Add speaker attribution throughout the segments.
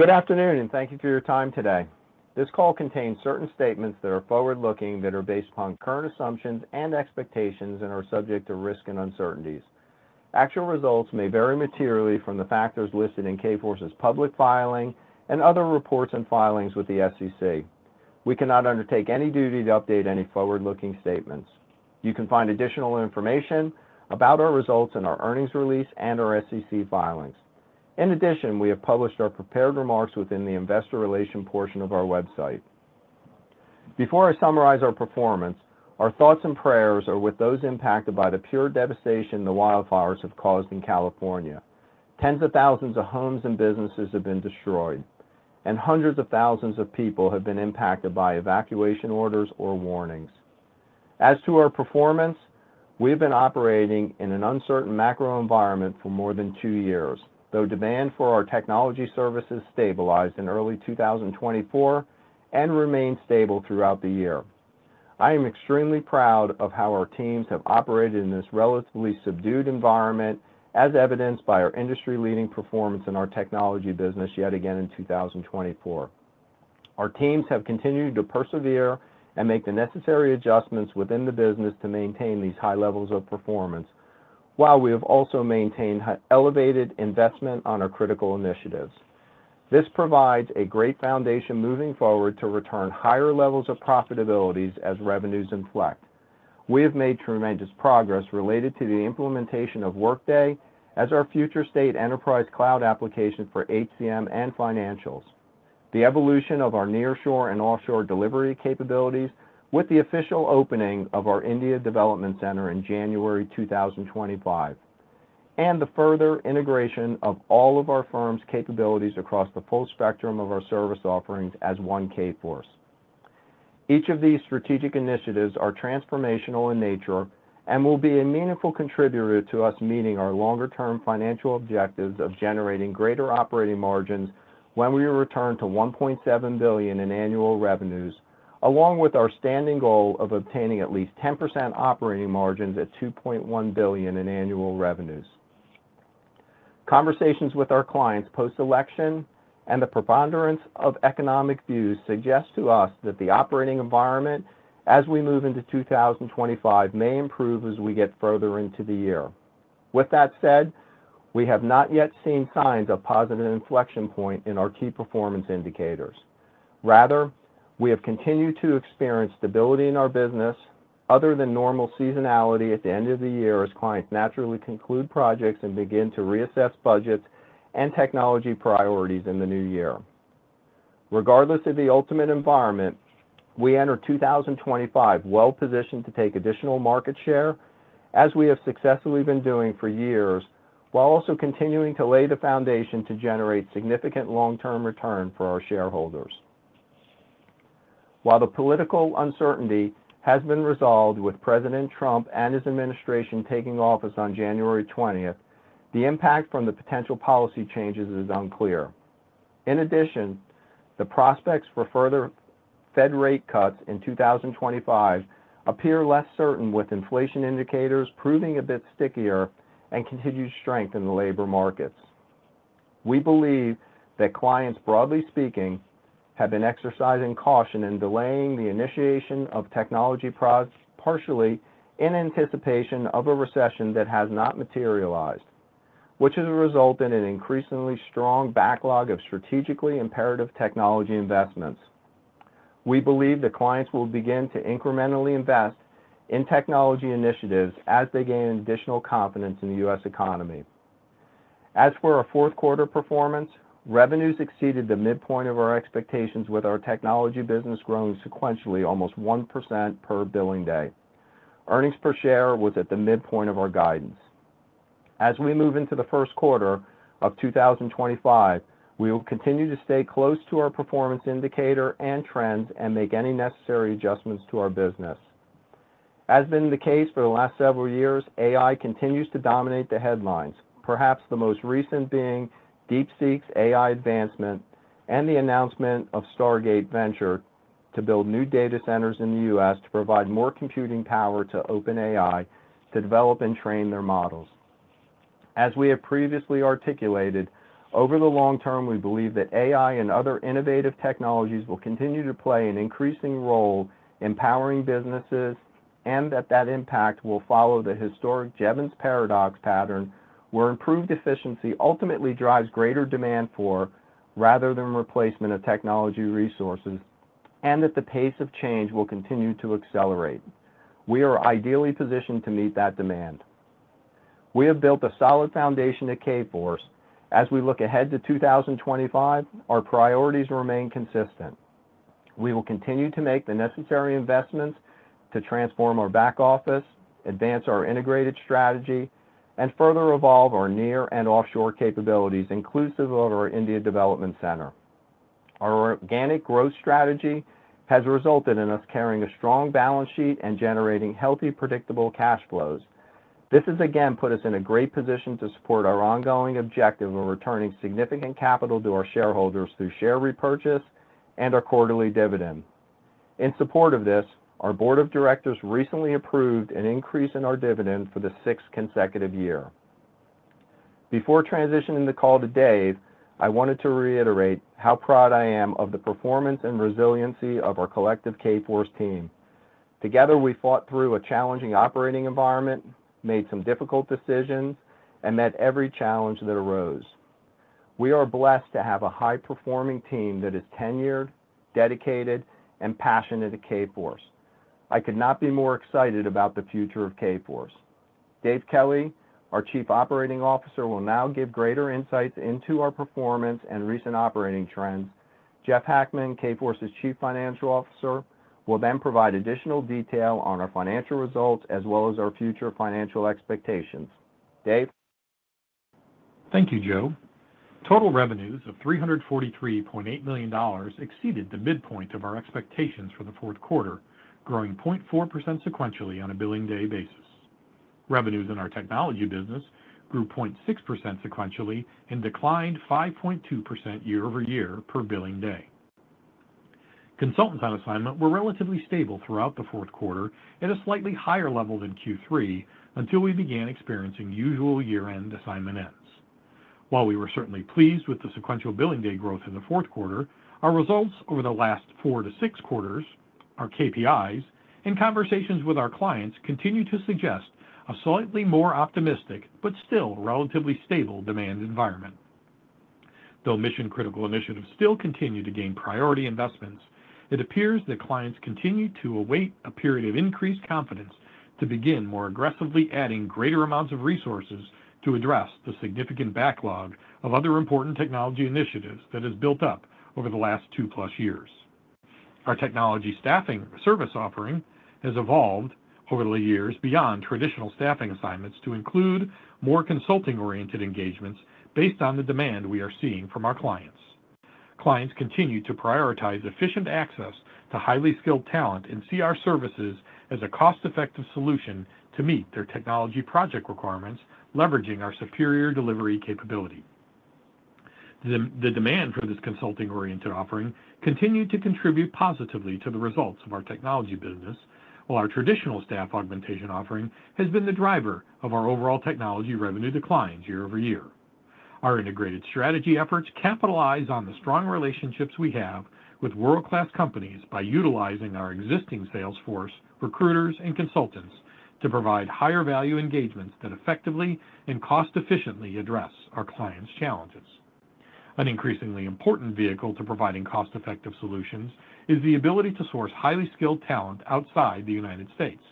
Speaker 1: Good afternoon, and thank you for your time today. This call contains certain statements that are forward-looking, that are based upon current assumptions and expectations, and are subject to risk and uncertainties. Actual results may vary materially from the factors listed in Kforce's public filing and other reports and filings with the SEC. We cannot undertake any duty to update any forward-looking statements. You can find additional information about our results in our earnings release and our SEC filings. In addition, we have published our prepared remarks within the investor relations portion of our website. Before I summarize our performance, our thoughts and prayers are with those impacted by the pure devastation the wildfires have caused in California. Tens of thousands of homes and businesses have been destroyed, and hundreds of thousands of people have been impacted by evacuation orders or warnings. As to our performance, we have been operating in an uncertain macro environment for more than two years, though demand for our technology services stabilized in early 2024 and remained stable throughout the year. I am extremely proud of how our teams have operated in this relatively subdued environment, as evidenced by our industry-leading performance in our technology business yet again in 2024. Our teams have continued to persevere and make the necessary adjustments within the business to maintain these high levels of performance, while we have also maintained elevated investment on our critical initiatives. This provides a great foundation moving forward to return higher levels of profitability as revenues inflect. We have made tremendous progress related to the implementation of Workday as our future state enterprise cloud application for HCM and financials, the evolution of our nearshore and offshore delivery capabilities with the official opening of our India Development Center in January 2025, and the further integration of all of our firm's capabilities across the full spectrum of our service offerings as one Kforce. Each of these strategic initiatives are transformational in nature and will be a meaningful contributor to us meeting our longer-term financial objectives of generating greater operating margins when we return to $1.7 billion in annual revenues, along with our standing goal of obtaining at least 10% operating margins at $2.1 billion in annual revenues. Conversations with our clients post-election and the preponderance of economic views suggest to us that the operating environment as we move into 2025 may improve as we get further into the year. With that said, we have not yet seen signs of positive inflection points in our key performance indicators. Rather, we have continued to experience stability in our business other than normal seasonality at the end of the year as clients naturally conclude projects and begin to reassess budgets and technology priorities in the new year. Regardless of the ultimate environment, we enter 2025 well-positioned to take additional market share as we have successfully been doing for years, while also continuing to lay the foundation to generate significant long-term returns for our shareholders. While the political uncertainty has been resolved with President Trump and his administration taking office on January 20th, the impact from the potential policy changes is unclear. In addition, the prospects for further Fed rate cuts in 2025 appear less certain, with inflation indicators proving a bit stickier and continued strength in the labor markets. We believe that clients, broadly speaking, have been exercising caution in delaying the initiation of technology products partially in anticipation of a recession that has not materialized, which has resulted in an increasingly strong backlog of strategically imperative technology investments. We believe that clients will begin to incrementally invest in technology initiatives as they gain additional confidence in the U.S. economy. As for our fourth quarter performance, revenues exceeded the midpoint of our expectations, with our technology business growing sequentially almost 1% per billing day. Earnings per share was at the midpoint of our guidance. As we move into the first quarter of 2025, we will continue to stay close to our performance indicator and trends and make any necessary adjustments to our business. As has been the case for the last several years, AI continues to dominate the headlines, perhaps the most recent being DeepSeek's AI advancement and the announcement of Stargate venture to build new data centers in the U.S. to provide more computing power to OpenAI to develop and train their models. As we have previously articulated, over the long term, we believe that AI and other innovative technologies will continue to play an increasing role in empowering businesses and that that impact will follow the historic Jevons Paradox pattern where improved efficiency ultimately drives greater demand for rather than replacement of technology resources and that the pace of change will continue to accelerate. We are ideally positioned to meet that demand. We have built a solid foundation at Kforce. As we look ahead to 2025, our priorities remain consistent. We will continue to make the necessary investments to transform our back office, advance our integrated strategy, and further evolve our near and offshore capabilities, inclusive of our India Development Center. Our organic growth strategy has resulted in us carrying a strong balance sheet and generating healthy, predictable cash flows. This has again put us in a great position to support our ongoing objective of returning significant capital to our shareholders through share repurchase and our quarterly dividend. In support of this, our board of directors recently approved an increase in our dividend for the sixth consecutive year. Before transitioning the call to Dave, I wanted to reiterate how proud I am of the performance and resiliency of our collective Kforce team. Together, we fought through a challenging operating environment, made some difficult decisions, and met every challenge that arose. We are blessed to have a high-performing team that is tenured, dedicated, and passionate at Kforce. I could not be more excited about the future of Kforce. Dave Kelly, our Chief Operating Officer, will now give greater insights into our performance and recent operating trends. Jeff Hackman, Kforce's Chief Financial Officer, will then provide additional detail on our financial results as well as our future financial expectations. Dave.
Speaker 2: Thank you, Joe. Total revenues of $343.8 million exceeded the midpoint of our expectations for the fourth quarter, growing 0.4% sequentially on a billing day basis. Revenues in our technology business grew 0.6% sequentially and declined 5.2% year over year per billing day. Consultants on assignment were relatively stable throughout the fourth quarter at a slightly higher level than Q3 until we began experiencing usual year-end assignment ends. While we were certainly pleased with the sequential billing day growth in the fourth quarter, our results over the last four to six quarters, our KPIs, and conversations with our clients continue to suggest a slightly more optimistic but still relatively stable demand environment. Though mission-critical initiatives still continue to gain priority investments, it appears that clients continue to await a period of increased confidence to begin more aggressively adding greater amounts of resources to address the significant backlog of other important technology initiatives that have built up over the last two-plus years. Our technology staffing service offering has evolved over the years beyond traditional staffing assignments to include more consulting-oriented engagements based on the demand we are seeing from our clients. Clients continue to prioritize efficient access to highly skilled talent and see our services as a cost-effective solution to meet their technology project requirements, leveraging our superior delivery capability. The demand for this consulting-oriented offering continued to contribute positively to the results of our technology business, while our traditional staff augmentation offering has been the driver of our overall technology revenue decline year over year. Our integrated strategy efforts capitalize on the strong relationships we have with world-class companies by utilizing our existing sales force, recruiters, and consultants to provide higher-value engagements that effectively and cost-efficiently address our clients' challenges. An increasingly important vehicle to providing cost-effective solutions is the ability to source highly skilled talent outside the United States.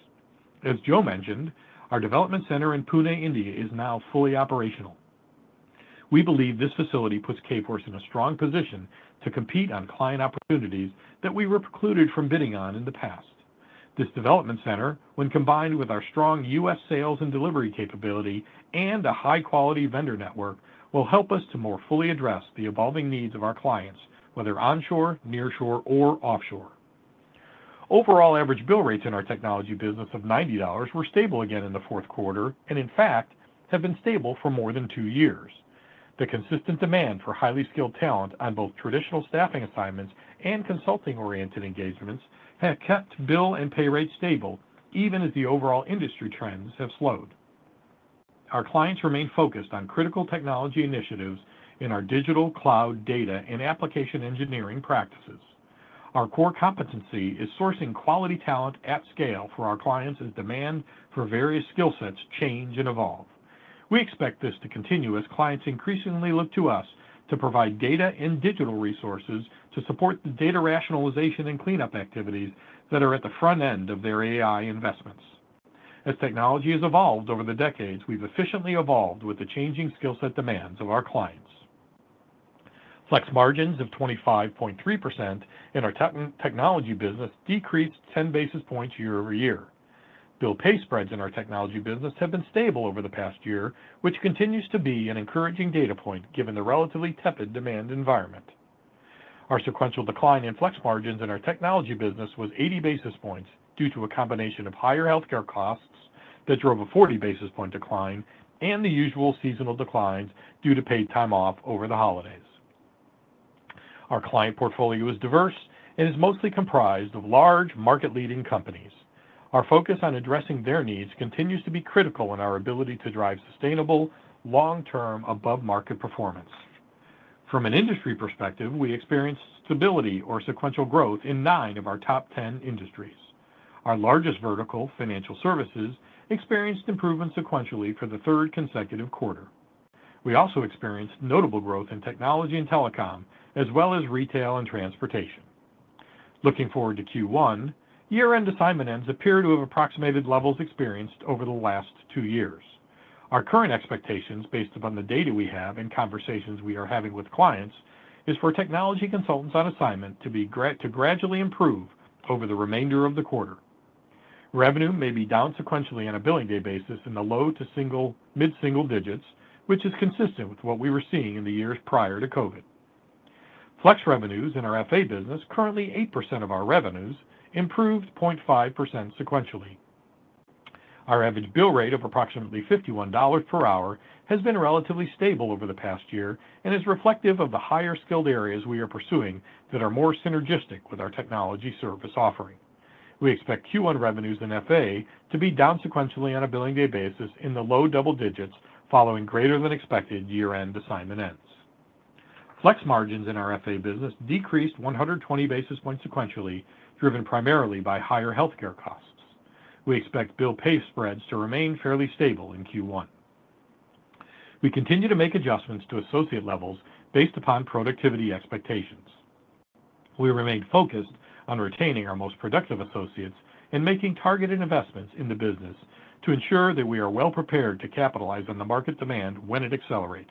Speaker 2: As Joe mentioned, our development center in Pune, India, is now fully operational. We believe this facility puts Kforce in a strong position to compete on client opportunities that we were precluded from bidding on in the past. This development center, when combined with our strong U.S. sales and delivery capability and a high-quality vendor network, will help us to more fully address the evolving needs of our clients, whether onshore, nearshore, or offshore. Overall average bill rates in our technology business of $90 were stable again in the fourth quarter and, in fact, have been stable for more than two years. The consistent demand for highly skilled talent on both traditional staffing assignments and consulting-oriented engagements has kept bill and pay rates stable even as the overall industry trends have slowed. Our clients remain focused on critical technology initiatives in our digital, cloud, data, and application engineering practices. Our core competency is sourcing quality talent at scale for our clients as demand for various skill sets changes and evolves. We expect this to continue as clients increasingly look to us to provide data and digital resources to support the data rationalization and cleanup activities that are at the front end of their AI investments. As technology has evolved over the decades, we've efficiently evolved with the changing skill set demands of our clients. Flex margins of 25.3% in our technology business decreased 10 basis points year over year. Bill-pay spreads in our technology business have been stable over the past year, which continues to be an encouraging data point given the relatively tepid demand environment. Our sequential decline in flex margins in our technology business was 80 basis points due to a combination of higher healthcare costs that drove a 40 basis point decline and the usual seasonal declines due to paid time off over the holidays. Our client portfolio is diverse and is mostly comprised of large, market-leading companies. Our focus on addressing their needs continues to be critical in our ability to drive sustainable, long-term, above-market performance. From an industry perspective, we experienced stability or sequential growth in nine of our top 10 industries. Our largest vertical, financial services, experienced improvement sequentially for the third consecutive quarter. We also experienced notable growth in technology and telecom as well as retail and transportation. Looking forward to Q1, year-end assignment ends appear to have approximated levels experienced over the last two years. Our current expectations, based upon the data we have and conversations we are having with clients, are for technology consultants on assignment to gradually improve over the remainder of the quarter. Revenue may be down sequentially on a billing day basis in the low to mid-single digits, which is consistent with what we were seeing in the years prior to COVID. Flex revenues in our FA business, currently 8% of our revenues, improved 0.5% sequentially. Our average bill rate of approximately $51 per hour has been relatively stable over the past year and is reflective of the higher skilled areas we are pursuing that are more synergistic with our technology service offering. We expect Q1 revenues in FA to be down sequentially on a billing day basis in the low double digits following greater-than-expected year-end assignment ends. Flex margins in our FA business decreased 120 basis points sequentially, driven primarily by higher healthcare costs. We expect bill-pay spreads to remain fairly stable in Q1. We continue to make adjustments to associate levels based upon productivity expectations. We remain focused on retaining our most productive associates and making targeted investments in the business to ensure that we are well-prepared to capitalize on the market demand when it accelerates.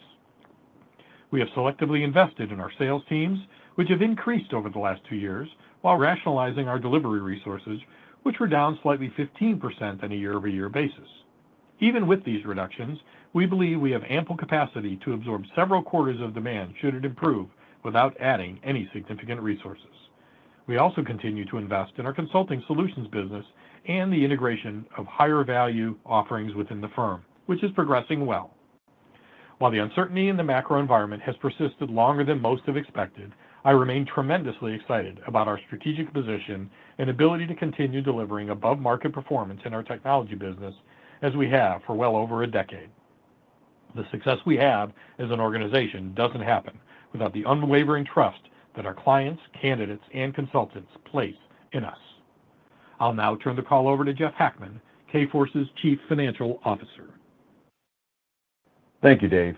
Speaker 2: We have selectively invested in our sales teams, which have increased over the last two years, while rationalizing our delivery resources, which were down slightly 15% on a year-over-year basis. Even with these reductions, we believe we have ample capacity to absorb several quarters of demand should it improve without adding any significant resources. We also continue to invest in our consulting solutions business and the integration of higher-value offerings within the firm, which is progressing well. While the uncertainty in the macro environment has persisted longer than most have expected, I remain tremendously excited about our strategic position and ability to continue delivering above-market performance in our technology business as we have for well over a decade. The success we have as an organization doesn't happen without the unwavering trust that our clients, candidates, and consultants place in us. I'll now turn the call over to Jeff Hackman, Kforce's Chief Financial Officer.
Speaker 3: Thank you, Dave.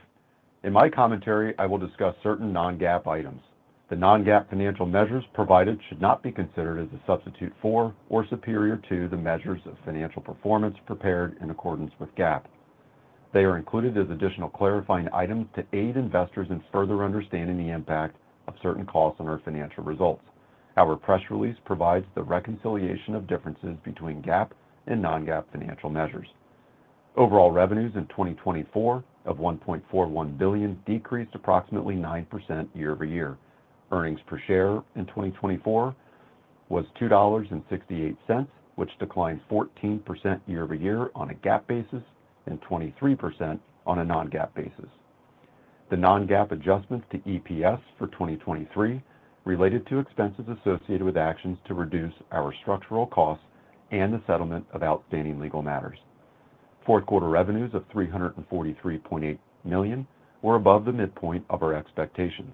Speaker 3: In my commentary, I will discuss certain non-GAAP items. The non-GAAP financial measures provided should not be considered as a substitute for or superior to the measures of financial performance prepared in accordance with GAAP. They are included as additional clarifying items to aid investors in further understanding the impact of certain costs on our financial results. Our press release provides the reconciliation of differences between GAAP and non-GAAP financial measures. Overall revenues in 2024 of $1.41 billion decreased approximately 9% year-over-year. Earnings per share in 2024 was $2.68, which declined 14% year-over-year on a GAAP basis and 23% on a non-GAAP basis. The non-GAAP adjustments to EPS for 2023 related to expenses associated with actions to reduce our structural costs and the settlement of outstanding legal matters. Fourth quarter revenues of $343.8 million were above the midpoint of our expectations.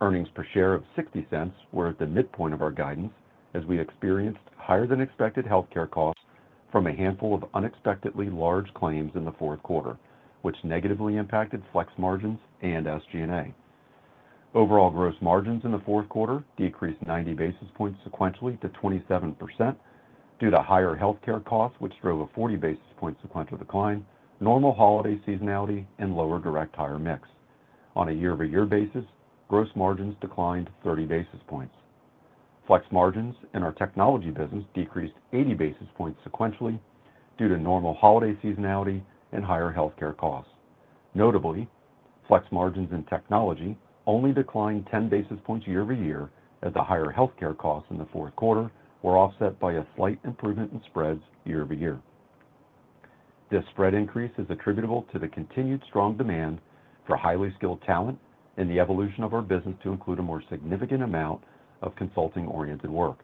Speaker 3: Earnings per share of $0.60 were at the midpoint of our guidance as we experienced higher-than-expected healthcare costs from a handful of unexpectedly large claims in the fourth quarter, which negatively impacted flex margins and SG&A. Overall gross margins in the fourth quarter decreased 90 basis points sequentially to 27% due to higher healthcare costs, which drove a 40 basis point sequential decline, normal holiday seasonality, and lower direct-hire mix. On a year-over-year basis, gross margins declined 30 basis points. Flex margins in our technology business decreased 80 basis points sequentially due to normal holiday seasonality and higher healthcare costs. Notably, flex margins in technology only declined 10 basis points year-over-year as the higher healthcare costs in the fourth quarter were offset by a slight improvement in spreads year-over-year. This spread increase is attributable to the continued strong demand for highly skilled talent and the evolution of our business to include a more significant amount of consulting-oriented work.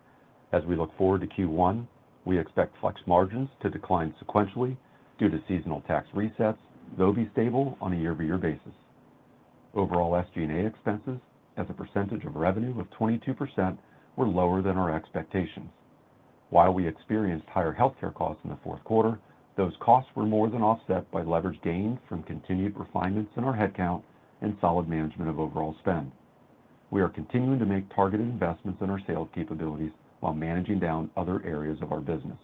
Speaker 3: As we look forward to Q1, we expect flex margins to decline sequentially due to seasonal tax resets, though be stable on a year-over-year basis. Overall SG&A expenses as a percentage of revenue of 22% were lower than our expectations. While we experienced higher healthcare costs in the fourth quarter, those costs were more than offset by leverage gained from continued refinements in our headcount and solid management of overall spend. We are continuing to make targeted investments in our sales capabilities while managing down other areas of our business.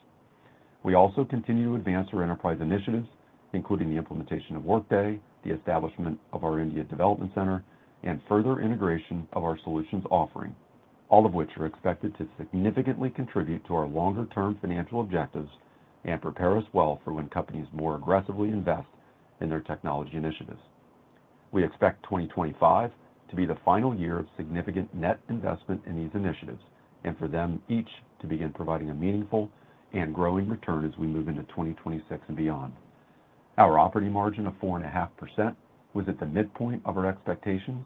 Speaker 3: We also continue to advance our enterprise initiatives, including the implementation of Workday, the establishment of our India Development Center, and further integration of our solutions offering, all of which are expected to significantly contribute to our longer-term financial objectives and prepare us well for when companies more aggressively invest in their technology initiatives. We expect 2025 to be the final year of significant net investment in these initiatives and for them each to begin providing a meaningful and growing return as we move into 2026 and beyond. Our operating margin of 4.5% was at the midpoint of our expectations.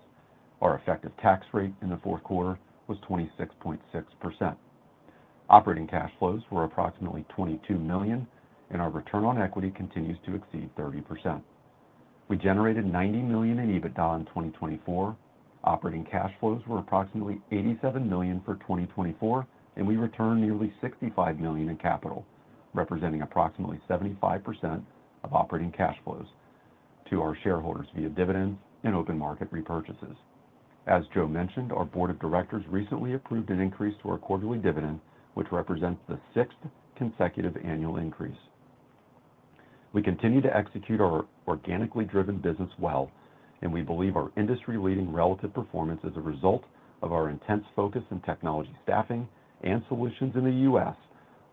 Speaker 3: Our effective tax rate in the fourth quarter was 26.6%. Operating cash flows were approximately $22 million, and our return on equity continues to exceed 30%. We generated $90 million in EBITDA in 2024. Operating cash flows were approximately $87 million for 2024, and we returned nearly $65 million in capital, representing approximately 75% of operating cash flows to our shareholders via dividends and open market repurchases. As Joe mentioned, our board of directors recently approved an increase to our quarterly dividend, which represents the sixth consecutive annual increase. We continue to execute our organically driven business well, and we believe our industry-leading relative performance is a result of our intense focus on technology staffing and solutions in the U.S.,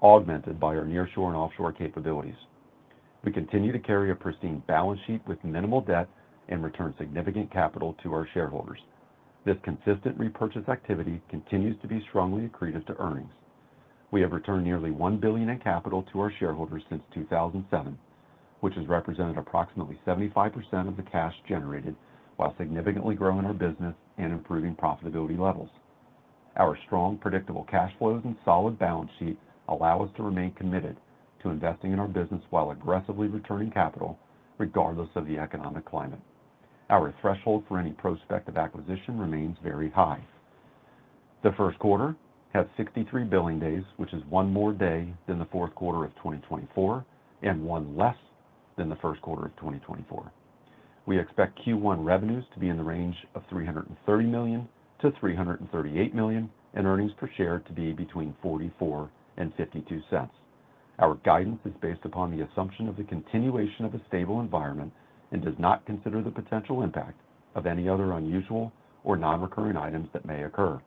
Speaker 3: augmented by our nearshore and offshore capabilities. We continue to carry a pristine balance sheet with minimal debt and return significant capital to our shareholders. This consistent repurchase activity continues to be strongly accretive to earnings. We have returned nearly $1 billion in capital to our shareholders since 2007, which has represented approximately 75% of the cash generated while significantly growing our business and improving profitability levels. Our strong, predictable cash flows and solid balance sheet allow us to remain committed to investing in our business while aggressively returning capital, regardless of the economic climate. Our threshold for any prospect of acquisition remains very high. The first quarter had 63 billing days, which is one more day than the fourth quarter of 2024 and one less than the first quarter of 2024. We expect Q1 revenues to be in the range of $330 million-$338 million and earnings per share to be between $0.44 and $0.52. Our guidance is based upon the assumption of the continuation of a stable environment and does not consider the potential impact of any other unusual or non-recurring items that may occur.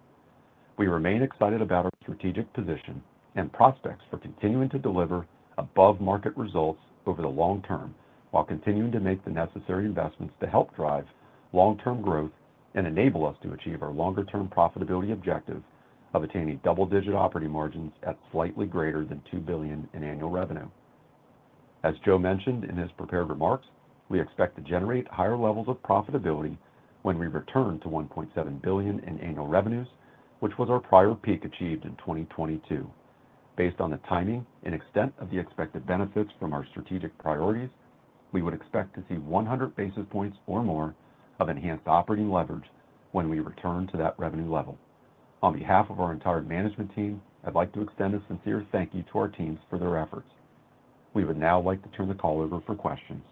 Speaker 3: We remain excited about our strategic position and prospects for continuing to deliver above-market results over the long term while continuing to make the necessary investments to help drive long-term growth and enable us to achieve our longer-term profitability objective of attaining double-digit operating margins at slightly greater than $2 billion in annual revenue. As Joe mentioned in his prepared remarks, we expect to generate higher levels of profitability when we return to $1.7 billion in annual revenues, which was our prior peak achieved in 2022. Based on the timing and extent of the expected benefits from our strategic priorities, we would expect to see 100 basis points or more of enhanced operating leverage when we return to that revenue level. On behalf of our entire management team, I'd like to extend a sincere thank you to our teams for their efforts. We would now like to turn the call over for questions.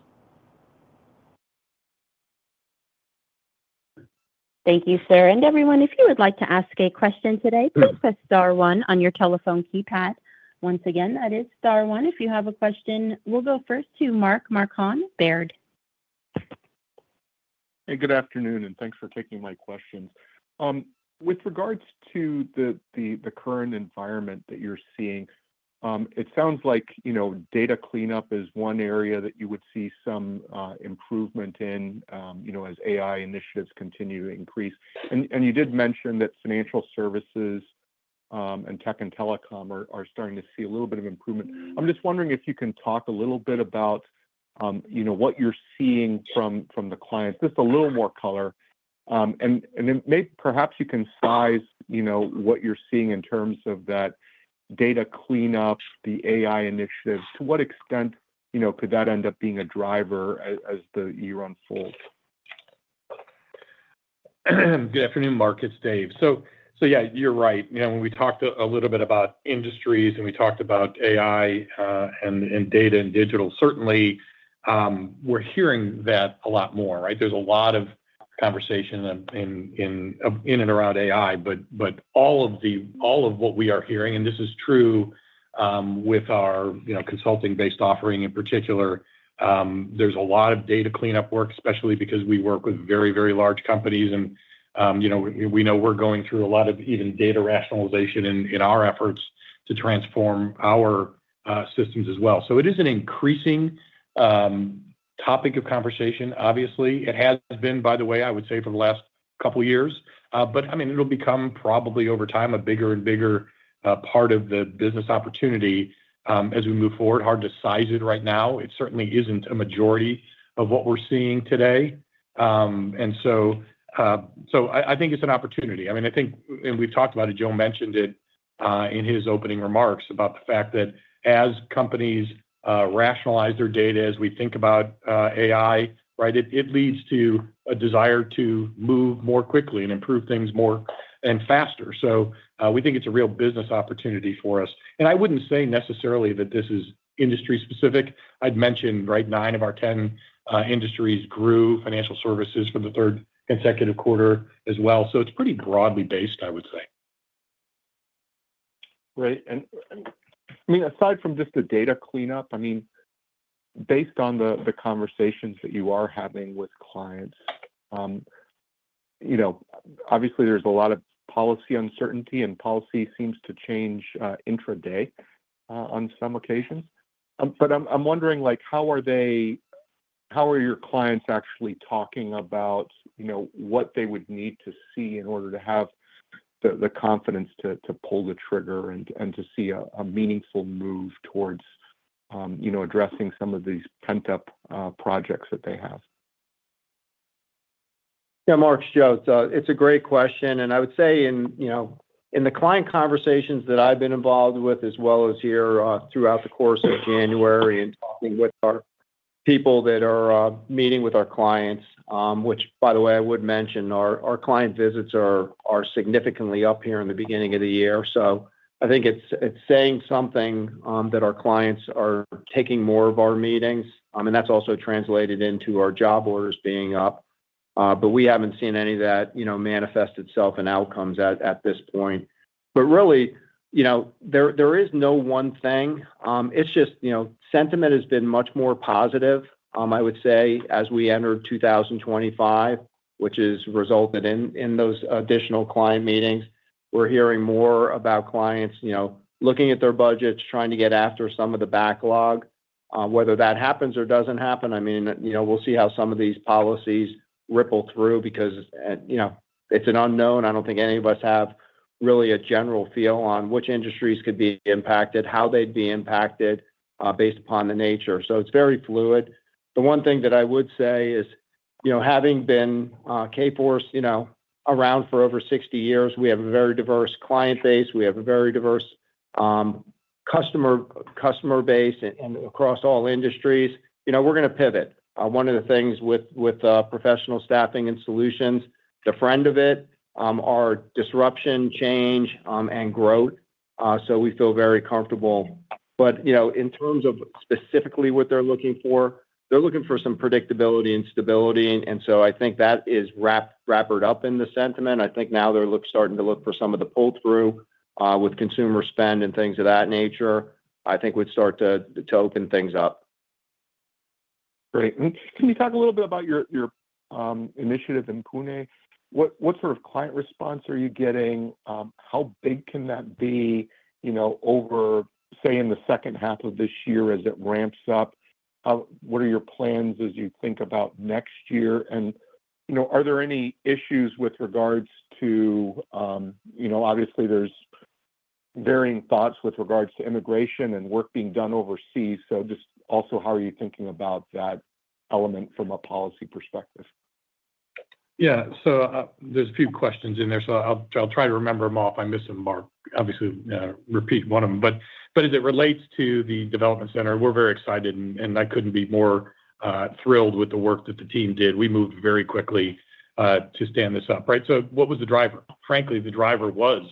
Speaker 4: Thank you, sir. Everyone, if you would like to ask a question today, please press Star one on your telephone keypad. Once again, that is Star one. If you have a question, we'll go first to Mark Marcon, Baird.
Speaker 5: Hey, good afternoon, and thanks for taking my questions. With regards to the current environment that you're seeing, it sounds like data cleanup is one area that you would see some improvement in as AI initiatives continue to increase, and you did mention that financial services and tech and telecom are starting to see a little bit of improvement. I'm just wondering if you can talk a little bit about what you're seeing from the clients, just a little more color, and perhaps you can size what you're seeing in terms of that data cleanup, the AI initiative. To what extent could that end up being a driver as the year unfolds?
Speaker 2: Good afternoon, Mark, it's Dave, so yeah, you're right. When we talked a little bit about industries and we talked about AI and data and digital, certainly we're hearing that a lot more. There's a lot of conversation in and around AI, but all of what we are hearing, and this is true with our consulting-based offering in particular, there's a lot of data cleanup work, especially because we work with very, very large companies. And we know we're going through a lot of even data rationalization in our efforts to transform our systems as well. So it is an increasing topic of conversation, obviously. It has been, by the way, I would say, for the last couple of years. But I mean, it'll become probably over time a bigger and bigger part of the business opportunity as we move forward. Hard to size it right now. It certainly isn't a majority of what we're seeing today, and so I think it's an opportunity. I mean, I think, and we've talked about it. Joe mentioned it in his opening remarks about the fact that as companies rationalize their data, as we think about AI, it leads to a desire to move more quickly and improve things more and faster, so we think it's a real business opportunity for us, and I wouldn't say necessarily that this is industry-specific. I'd mentioned nine of our 10 industries grew, financial services for the third consecutive quarter as well, so it's pretty broadly based, I would say.
Speaker 5: Right. And I mean, aside from just the data cleanup, I mean, based on the conversations that you are having with clients, obviously, there's a lot of policy uncertainty, and policy seems to change intraday on some occasions. But I'm wondering, how are your clients actually talking about what they would need to see in order to have the confidence to pull the trigger and to see a meaningful move towards addressing some of these pent-up projects that they have?
Speaker 1: Yeah, Mark, it's Joe, it's a great question, and I would say in the client conversations that I've been involved with, as well as here throughout the course of January and talking with our people that are meeting with our clients, which, by the way, I would mention, our client visits are significantly up here in the beginning of the year, so I think it's saying something that our clients are taking more of our meetings. I mean, that's also translated into our job orders being up, but we haven't seen any of that manifest itself in outcomes at this point. But really, there is no one thing. It's just sentiment has been much more positive, I would say, as we enter 2025, which has resulted in those additional client meetings. We're hearing more about clients looking at their budgets, trying to get after some of the backlog. Whether that happens or doesn't happen, I mean, we'll see how some of these policies ripple through because it's an unknown. I don't think any of us have really a general feel on which industries could be impacted, how they'd be impacted based upon the nature, so it's very fluid. The one thing that I would say is, Kforce having been around for over 60 years, we have a very diverse client base. We have a very diverse customer base across all industries. We're going to pivot. One of the things with professional staffing and solutions, the fun of it, are disruption, change, and growth, so we feel very comfortable, but in terms of specifically what they're looking for, they're looking for some predictability and stability, and so I think that is wrapped up in the sentiment. I think now they're starting to look for some of the pull-through with consumer spend and things of that nature. I think we'd start to open things up.
Speaker 5: Great. And can you talk a little bit about your initiative in Pune? What sort of client response are you getting? How big can that be over, say, in the second half of this year as it ramps up? What are your plans as you think about next year? And are there any issues with regards to, obviously, there's varying thoughts with regards to immigration and work being done overseas? So just also, how are you thinking about that element from a policy perspective?
Speaker 2: Yeah. So there's a few questions in there, so I'll try to remember them all if I miss them, Mark. Obviously, repeat one of them. But as it relates to the development center, we're very excited, and I couldn't be more thrilled with the work that the team did. We moved very quickly to stand this up. Right? So what was the driver? Frankly, the driver was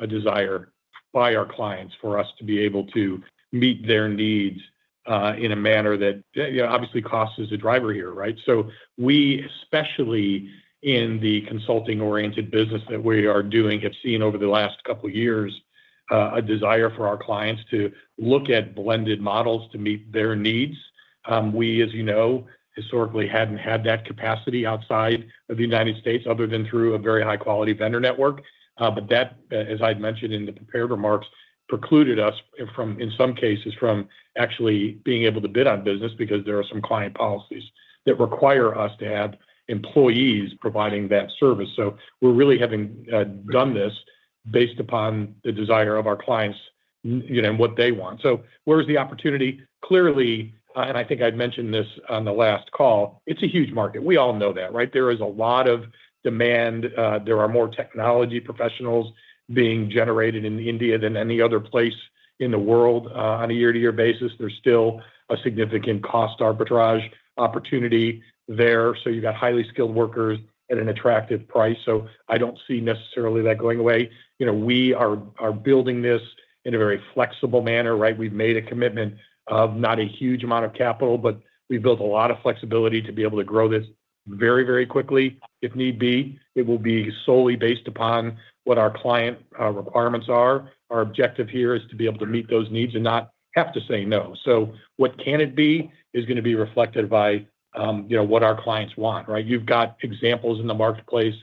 Speaker 2: a desire by our clients for us to be able to meet their needs in a manner that obviously cost is a driver here. Right? So we, especially in the consulting-oriented business that we are doing, have seen over the last couple of years a desire for our clients to look at blended models to meet their needs. We, as you know, historically hadn't had that capacity outside of the United States other than through a very high-quality vendor network. But that, as I'd mentioned in the prepared remarks, precluded us, in some cases, from actually being able to bid on business because there are some client policies that require us to have employees providing that service. So we're really having done this based upon the desire of our clients and what they want. So where's the opportunity? Clearly, and I think I'd mentioned this on the last call, it's a huge market. We all know that. Right? There is a lot of demand. There are more technology professionals being generated in India than any other place in the world on a year-to-year basis. There's still a significant cost arbitrage opportunity there. So you've got highly skilled workers at an attractive price. So I don't see necessarily that going away. We are building this in a very flexible manner. Right? We've made a commitment of not a huge amount of capital, but we've built a lot of flexibility to be able to grow this very, very quickly. If need be, it will be solely based upon what our client requirements are. Our objective here is to be able to meet those needs and not have to say no. So what can it be is going to be reflected by what our clients want. Right? You've got examples in the marketplace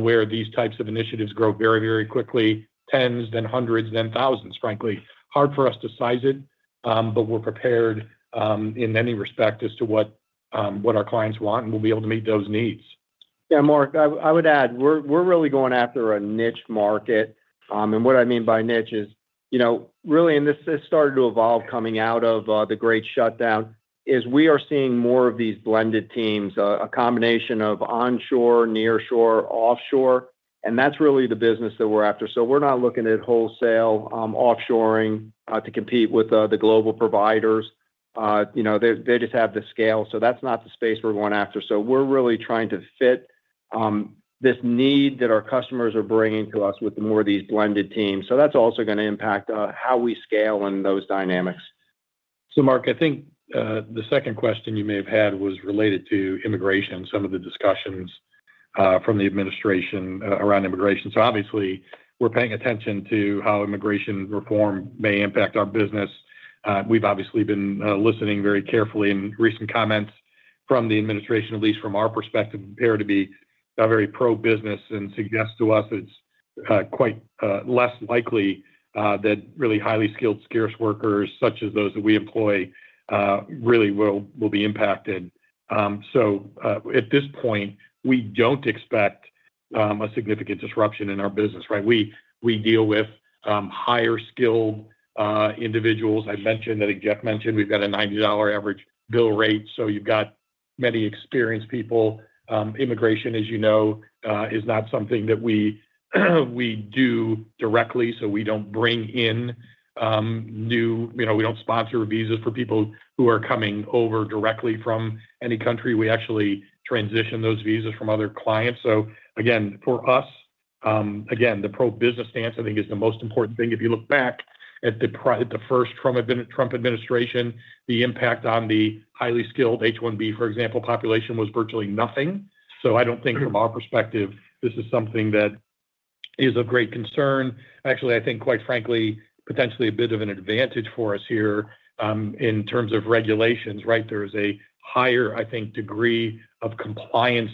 Speaker 2: where these types of initiatives grow very, very quickly, tens, then hundreds, then thousands, frankly. Hard for us to size it, but we're prepared in any respect as to what our clients want and will be able to meet those needs.
Speaker 1: Yeah, Mark, I would add we're really going after a niche market. And what I mean by niche is really, and this has started to evolve coming out of the great shutdown, is we are seeing more of these blended teams, a combination of onshore, nearshore, offshore. And that's really the business that we're after. So we're not looking at wholesale offshoring to compete with the global providers. They just have the scale. So that's not the space we're going after. So we're really trying to fit this need that our customers are bringing to us with more of these blended teams. So that's also going to impact how we scale in those dynamics. So Mark, I think the second question you may have had was related to immigration, some of the discussions from the administration around immigration. So obviously, we're paying attention to how immigration reform may impact our business. We've obviously been listening very carefully in recent comments from the administration. At least from our perspective, they appear to be very pro-business and suggest to us that it's quite less likely that really highly skilled scarce workers, such as those that we employ, really will be impacted. So at this point, we don't expect a significant disruption in our business. Right? We deal with higher skilled individuals. I mentioned that, as Jeff mentioned, we've got a $90 average bill rate. So you've got many experienced people. Immigration, as you know, is not something that we do directly. So we don't sponsor visas for people who are coming over directly from any country. We actually transition those visas from other clients. So again, for us, the pro-business stance, I think, is the most important thing. If you look back at the first Trump administration, the impact on the highly skilled H-1B, for example, population was virtually nothing. So I don't think from our perspective, this is something that is of great concern. Actually, I think, quite frankly, potentially a bit of an advantage for us here in terms of regulations. Right? There is a higher, I think, degree of compliance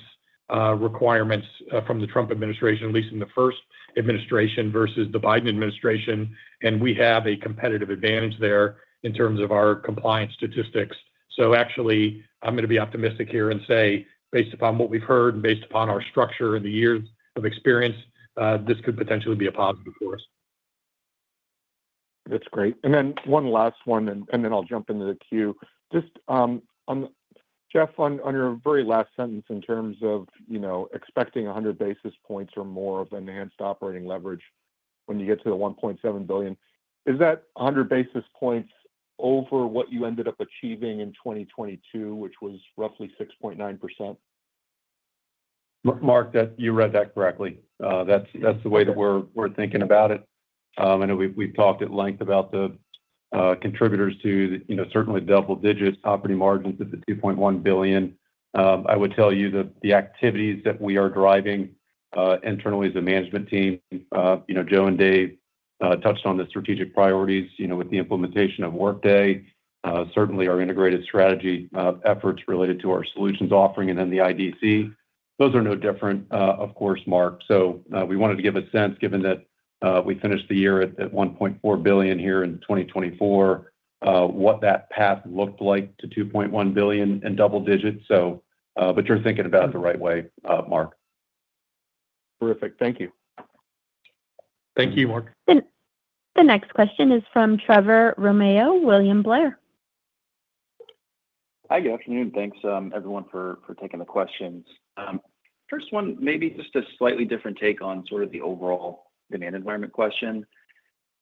Speaker 1: requirements from the Trump administration, at least in the first administration versus the Biden administration. And we have a competitive advantage there in terms of our compliance statistics. So actually, I'm going to be optimistic here and say, based upon what we've heard and based upon our structure and the years of experience, this could potentially be a positive for us.
Speaker 5: That's great. And then one last one, and then I'll jump into the queue. Just, Jeff, on your very last sentence in terms of expecting 100 basis points or more of enhanced operating leverage when you get to the $1.7 billion, is that 100 basis points over what you ended up achieving in 2022, which was roughly 6.9%?
Speaker 3: Mark, you read that correctly. That's the way that we're thinking about it. I know we've talked at length about the contributors to certainly double-digit operating margins at the $2.1 billion. I would tell you that the activities that we are driving internally as a management team, Joe and Dave touched on the strategic priorities with the implementation of Workday, certainly our integrated strategy efforts related to our solutions offering, and then the IDC. Those are no different, of course, Mark. So we wanted to give a sense, given that we finished the year at $1.4 billion here in 2024, what that path looked like to $2.1 billion and double-digits. But you're thinking about it the right way, Mark.
Speaker 5: Terrific. Thank you.
Speaker 3: Thank you, Mark.
Speaker 4: The next question is from Trevor Romeo, William Blair.
Speaker 6: Hi, good afternoon. Thanks, everyone, for taking the questions. First one, maybe just a slightly different take on sort of the overall demand environment question.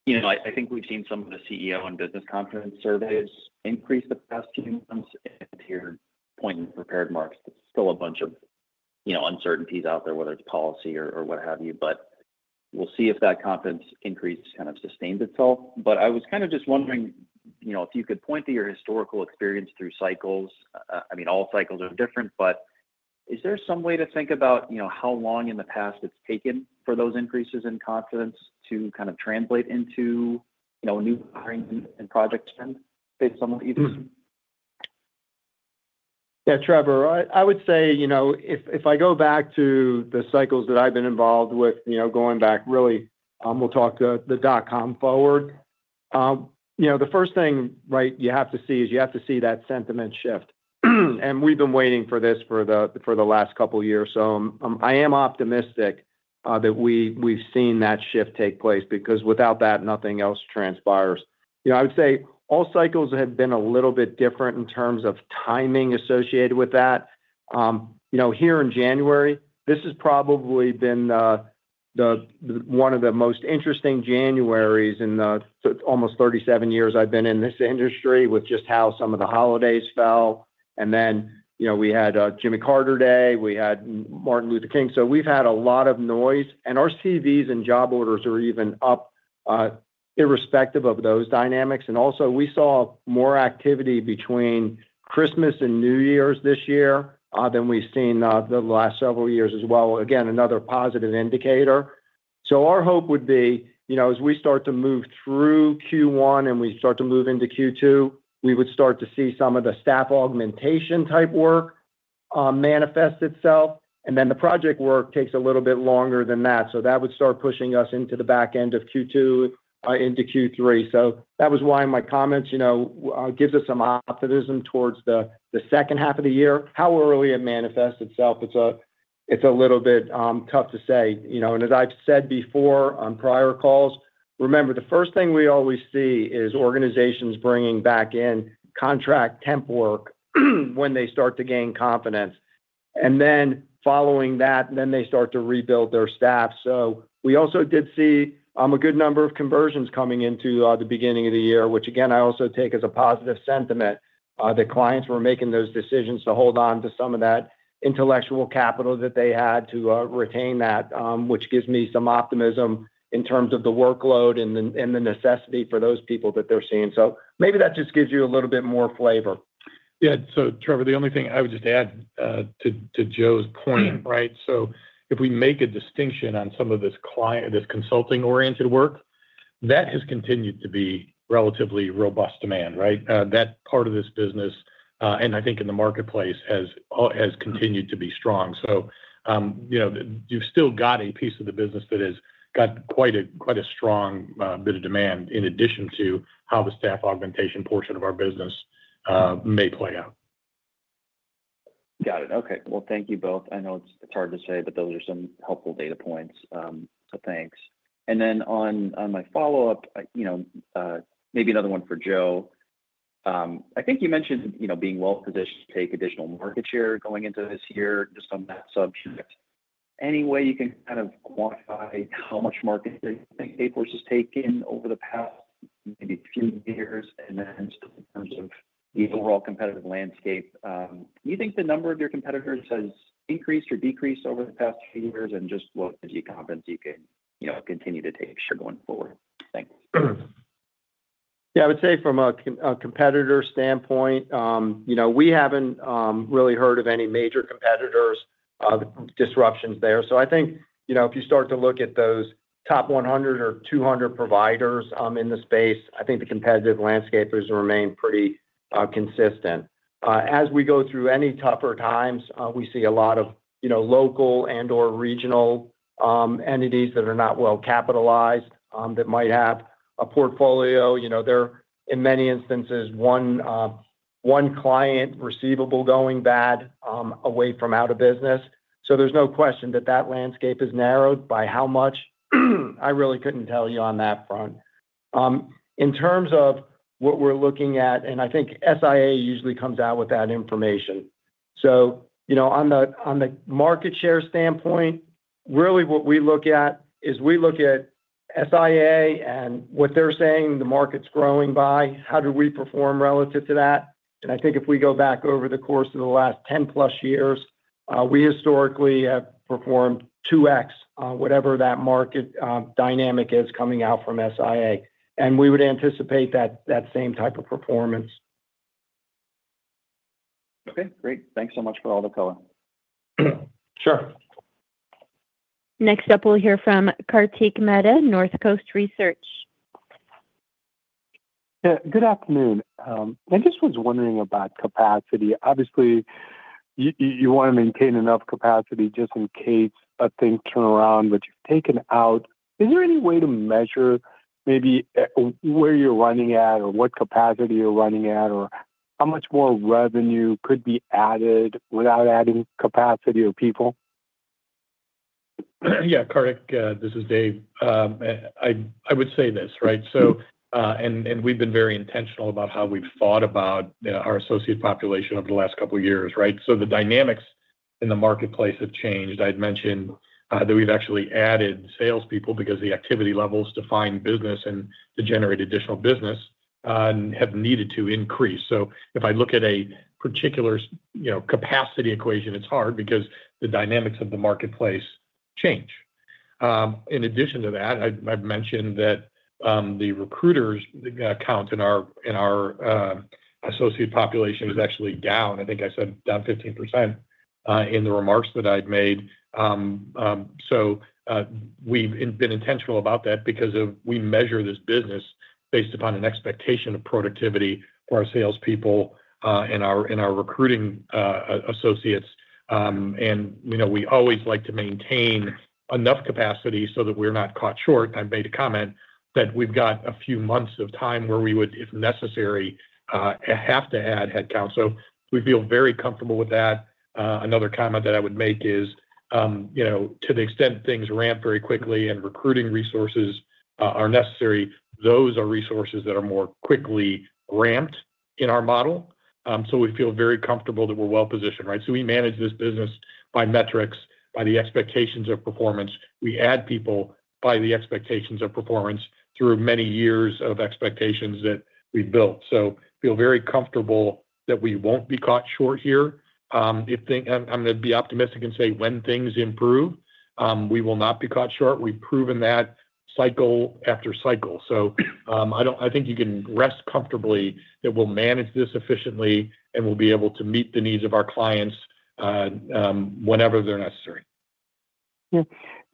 Speaker 6: I think we've seen some of the CEO and business confidence surveys increase the past few months. And to your point, prepared remarks, there's still a bunch of uncertainties out there, whether it's policy or what have you. But we'll see if that confidence increase kind of sustained itself. But I was kind of just wondering if you could point to your historical experience through cycles. I mean, all cycles are different, but is there some way to think about how long in the past it's taken for those increases in confidence to kind of translate into new hiring and project spend based on what you just?
Speaker 1: Yeah, Trevor, I would say if I go back to the cycles that I've been involved with, going back really, we'll talk the dot-com forward. The first thing, right, you have to see is you have to see that sentiment shift. And we've been waiting for this for the last couple of years. So I am optimistic that we've seen that shift take place because without that, nothing else transpires. I would say all cycles have been a little bit different in terms of timing associated with that. Here in January, this has probably been one of the most interesting Januarys in almost 37 years I've been in this industry with just how some of the holidays fell. And then we had Jimmy Carter Day, we had Martin Luther King. So we've had a lot of noise. And our CVs and job orders are even up irrespective of those dynamics. And also, we saw more activity between Christmas and New Year's this year than we've seen the last several years as well. Again, another positive indicator. So our hope would be as we start to move through Q1 and we start to move into Q2, we would start to see some of the staff augmentation type work manifest itself. And then the project work takes a little bit longer than that. So that would start pushing us into the back end of Q2, into Q3. So that was why my comments give us some optimism towards the second half of the year. How early it manifests itself, it's a little bit tough to say. And as I've said before on prior calls, remember, the first thing we always see is organizations bringing back in contract temp work when they start to gain confidence. And then, following that, they start to rebuild their staff, so we also did see a good number of conversions coming into the beginning of the year, which, again, I also take as a positive sentiment that clients were making those decisions to hold on to some of that intellectual capital that they had to retain that, which gives me some optimism in terms of the workload and the necessity for those people that they're seeing, so maybe that just gives you a little bit more flavor.
Speaker 2: Yeah, so Trevor, the only thing I would just add to Joe's point, right? If we make a distinction on some of this consulting-oriented work, that has continued to be relatively robust demand, right? That part of this business, and I think in the marketplace, has continued to be strong. So you've still got a piece of the business that has got quite a strong bit of demand in addition to how the staff augmentation portion of our business may play out.
Speaker 6: Got it. Okay. Well, thank you both. I know it's hard to say, but those are some helpful data points. So thanks, and then on my follow-up, maybe another one for Joe. I think you mentioned being well-positioned to take additional market share going into this year just on that subject. Any way you can kind of quantify how much market share you think Kforce has taken over the past maybe few years? And then just in terms of the overall competitive landscape, do you think the number of your competitors has increased or decreased over the past few years? And just what degree of confidence do you think you can continue to take going forward? Thanks.
Speaker 1: Yeah. I would say from a competitor standpoint, we haven't really heard of any major competitors' disruptions there. So I think if you start to look at those top 100 or 200 providers in the space, I think the competitive landscape has remained pretty consistent. As we go through any tougher times, we see a lot of local and/or regional entities that are not well capitalized that might have a portfolio. There are, in many instances, one client receivable going bad away from out of business. So there's no question that that landscape is narrowed by how much. I really couldn't tell you on that front. In terms of what we're looking at, and I think SIA usually comes out with that information. So on the market share standpoint, really what we look at is we look at SIA and what they're saying the market's growing by, how do we perform relative to that? And I think if we go back over the course of the last 10-plus years, we historically have performed 2X whatever that market dynamic is coming out from SIA. And we would anticipate that same type of performance.
Speaker 6: Okay. Great. Thanks so much for all the color.
Speaker 1: Sure.
Speaker 4: Next up, we'll hear from Kartik Mehta, Northcoast Research.
Speaker 7: Good afternoon. I just was wondering about capacity. Obviously, you want to maintain enough capacity just in case a thing turned around, but you've taken out. Is there any way to measure maybe where you're running at or what capacity you're running at or how much more revenue could be added without adding capacity or people?
Speaker 2: Yeah. Kartik, this is Dave. I would say this. Right? And we've been very intentional about how we've thought about our associate population over the last couple of years. Right? So the dynamics in the marketplace have changed. I had mentioned that we've actually added salespeople because the activity levels to find business and to generate additional business have needed to increase. So if I look at a particular capacity equation, it's hard because the dynamics of the marketplace change. In addition to that, I've mentioned that the recruiters count in our associate population is actually down. I think I said down 15% in the remarks that I've made. So we've been intentional about that because we measure this business based upon an expectation of productivity for our salespeople and our recruiting associates. And we always like to maintain enough capacity so that we're not caught short. I made a comment that we've got a few months of time where we would, if necessary, have to add headcount. So we feel very comfortable with that. Another comment that I would make is to the extent things ramp very quickly and recruiting resources are necessary, those are resources that are more quickly ramped in our model. So we feel very comfortable that we're well-positioned. Right? So we manage this business by metrics, by the expectations of performance. We add people by the expectations of performance through many years of expectations that we've built. So I feel very comfortable that we won't be caught short here. I'm going to be optimistic and say when things improve, we will not be caught short. We've proven that cycle after cycle. So I think you can rest comfortably that we'll manage this efficiently and we'll be able to meet the needs of our clients whenever they're necessary.
Speaker 7: Yeah.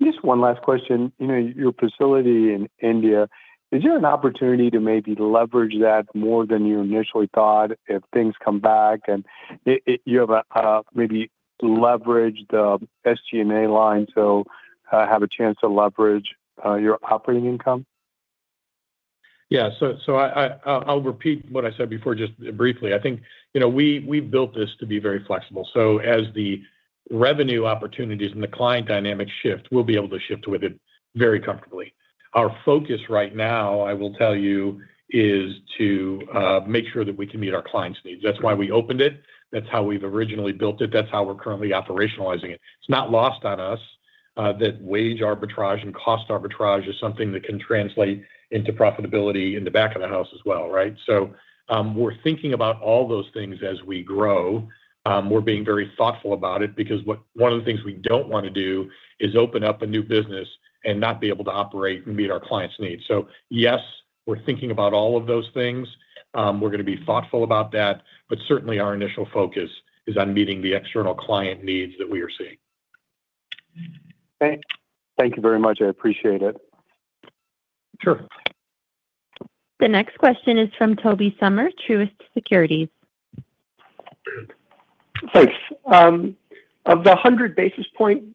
Speaker 7: Just one last question. Your facility in India, is there an opportunity to maybe leverage that more than you initially thought if things come back? And you have maybe leveraged the SG&A line to have a chance to leverage your operating income?
Speaker 2: Yeah. So I'll repeat what I said before just briefly. I think we've built this to be very flexible. So as the revenue opportunities and the client dynamics shift, we'll be able to shift with it very comfortably. Our focus right now, I will tell you, is to make sure that we can meet our clients' needs. That's why we opened it. That's how we've originally built it. That's how we're currently operationalizing it. It's not lost on us that wage arbitrage and cost arbitrage is something that can translate into profitability in the back of the house as well. Right? So we're thinking about all those things as we grow. We're being very thoughtful about it because one of the things we don't want to do is open up a new business and not be able to operate and meet our clients' needs. So yes, we're thinking about all of those things. We're going to be thoughtful about that. But certainly, our initial focus is on meeting the external client needs that we are seeing.
Speaker 5: Okay. Thank you very much. I appreciate it.
Speaker 2: Sure.
Speaker 4: The next question is from Tobey Sommer, Truist Securities.
Speaker 8: Thanks. Of the 100 basis points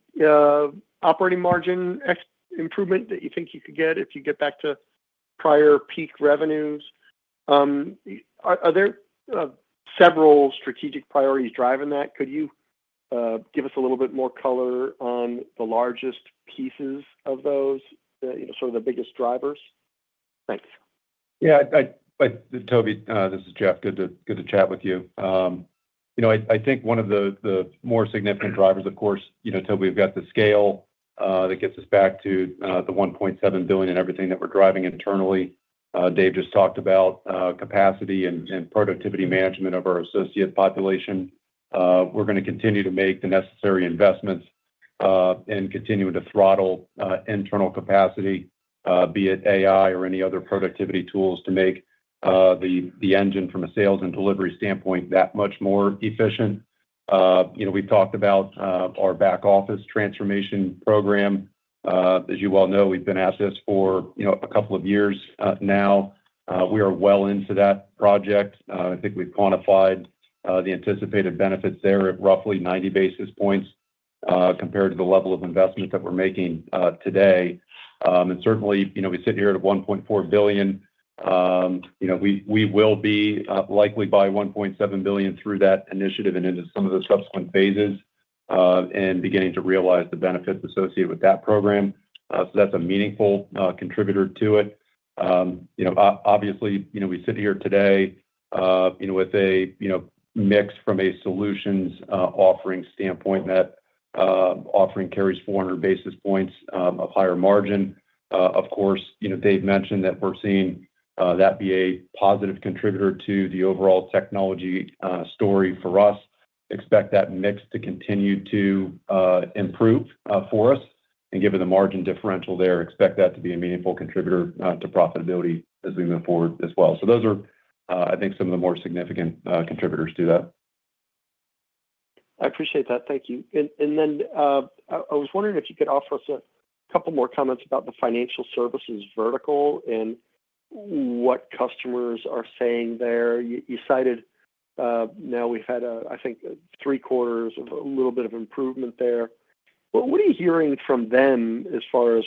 Speaker 8: operating margin improvement that you think you could get if you get back to prior peak revenues, are there several strategic priorities driving that? Could you give us a little bit more color on the largest pieces of those, sort of the biggest drivers? Thanks.
Speaker 3: Yeah. Tobey, this is Jeff. Good to chat with you. I think one of the more significant drivers, of course, Tobey, we've got the scale that gets us back to the $1.7 billion and everything that we're driving internally. Dave just talked about capacity and productivity management of our associate population. We're going to continue to make the necessary investments and continue to throttle internal capacity, be it AI or any other productivity tools, to make the engine from a sales and delivery standpoint that much more efficient. We've talked about our back office transformation program. As you well know, we've been at this for a couple of years now. We are well into that project. I think we've quantified the anticipated benefits there at roughly 90 basis points compared to the level of investment that we're making today. And certainly, we sit here at $1.4 billion. We will be likely by $1.7 billion through that initiative and into some of the subsequent phases and beginning to realize the benefits associated with that program. So that's a meaningful contributor to it. Obviously, we sit here today with a mix from a solutions offering standpoint. That offering carries 400 basis points of higher margin. Of course, Dave mentioned that we're seeing that be a positive contributor to the overall technology story for us. Expect that mix to continue to improve for us, and given the margin differential there, expect that to be a meaningful contributor to profitability as we move forward as well, so those are, I think, some of the more significant contributors to that.
Speaker 8: I appreciate that. Thank you. And then I was wondering if you could offer us a couple more comments about the financial services vertical and what customers are saying there. You cited now we've had, I think, three-quarters of a little bit of improvement there. What are you hearing from them as far as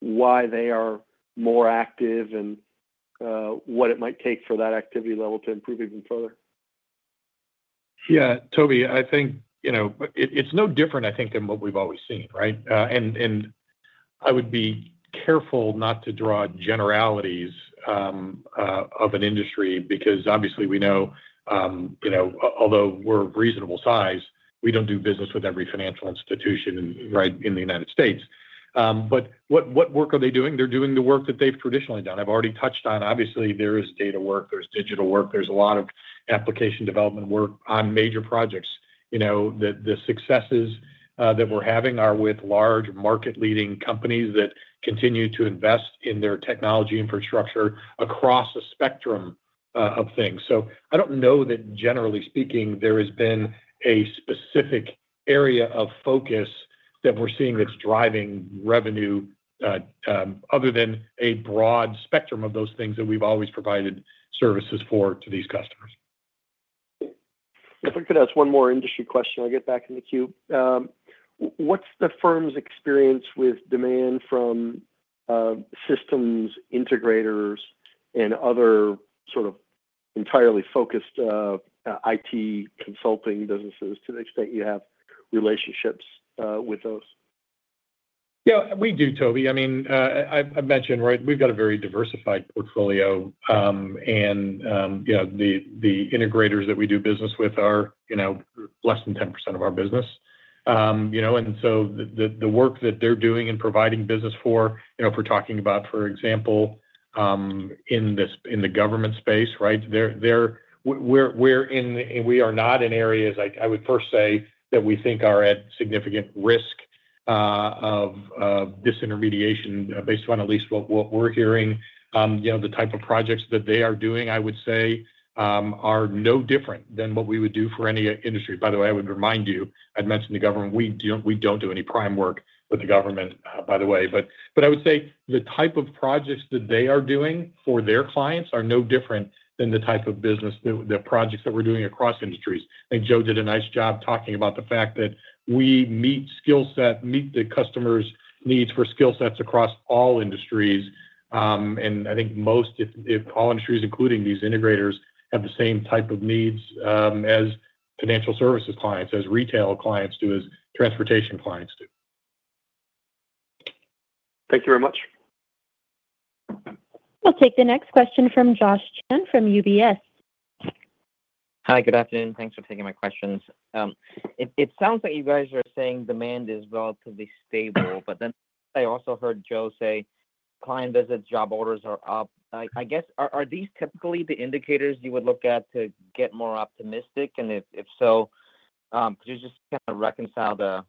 Speaker 8: why they are more active and what it might take for that activity level to improve even further?
Speaker 3: Yeah. Tobey, I think it's no different, I think, than what we've always seen. Right? And I would be careful not to draw generalities of an industry because, obviously, we know, although we're of reasonable size, we don't do business with every financial institution in the United States. But what work are they doing? They're doing the work that they've traditionally done. I've already touched on, obviously, there is data work. There's digital work. There's a lot of application development work on major projects. The successes that we're having are with large market-leading companies that continue to invest in their technology infrastructure across a spectrum of things. So I don't know that, generally speaking, there has been a specific area of focus that we're seeing that's driving revenue other than a broad spectrum of those things that we've always provided services for to these customers.
Speaker 8: If I could ask one more industry question, I'll get back in the queue. What's the firm's experience with demand from systems integrators and other sort of entirely focused IT consulting businesses to the extent you have relationships with those?
Speaker 3: Yeah. We do, Tobey. I mean, I've mentioned, right, we've got a very diversified portfolio. And the integrators that we do business with are less than 10% of our business. And so the work that they're doing and providing business for, if we're talking about, for example, in the government space, right, we're in and we are not in areas. I would first say that we think are at significant risk of disintermediation based on at least what we're hearing. The type of projects that they are doing, I would say, are no different than what we would do for any industry. By the way, I would remind you, I'd mentioned the government. We don't do any prime work with the government, by the way. But I would say the type of projects that they are doing for their clients are no different than the type of business, the projects that we're doing across industries. I think Joe did a nice job talking about the fact that we meet skill set, meet the customer's needs for skill sets across all industries. And I think most, if all industries, including these integrators, have the same type of needs as financial services clients, as retail clients do, as transportation clients do.
Speaker 8: Thank you very much.
Speaker 4: We'll take the next question from Josh Chen from UBS.
Speaker 9: Hi. Good afternoon. Thanks for taking my questions. It sounds like you guys are saying demand is relatively stable, but then I also heard Joe say client visits, job orders are up. I guess, are these typically the indicators you would look at to get more optimistic, and if so, could you just kind of reconcile that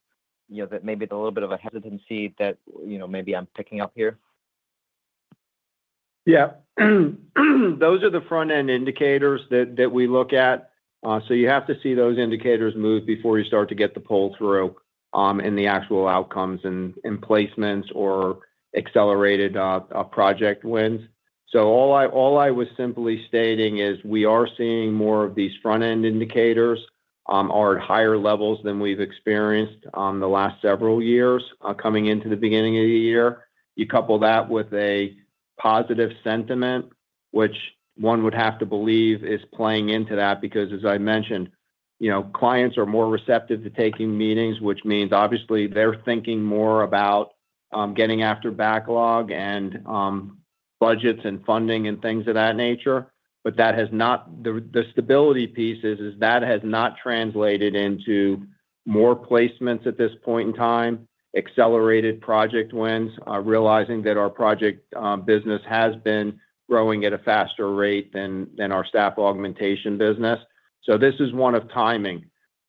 Speaker 9: maybe it's a little bit of a hesitancy that maybe I'm picking up here?
Speaker 1: Yeah. Those are the front-end indicators that we look at. So you have to see those indicators move before you start to get the pull-through in the actual outcomes and placements or accelerated project wins. So all I was simply stating is we are seeing more of these front-end indicators are at higher levels than we've experienced the last several years coming into the beginning of the year. You couple that with a positive sentiment, which one would have to believe is playing into that because, as I mentioned, clients are more receptive to taking meetings, which means, obviously, they're thinking more about getting after backlog and budgets and funding and things of that nature. But the stability piece is that has not translated into more placements at this point in time, accelerated project wins, realizing that our project business has been growing at a faster rate than our staff augmentation business. So this is one of timing.